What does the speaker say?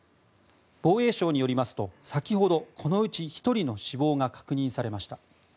防衛省によりますと先ほど、このうち１人の死亡が確認されました。